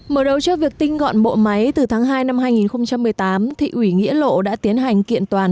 mở đầu cho việc tinh gọn bộ máy từ tháng hai năm hai nghìn một mươi tám thị ủy nghĩa lộ đã tiến hành kiện toàn